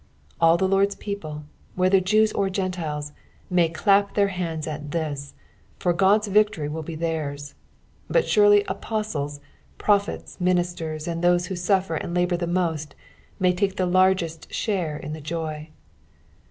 All the Lord's people, whether Jena or Geotiles, may clnp tlieir hands at this, for God's victory will be theirs ; but surely apostles, ptophetii, ministers, and those who suffer and labour the most, may take the largest shiire in the ]oj.